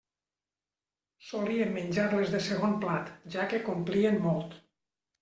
Solíem menjar-les de segon plat, ja que complien molt.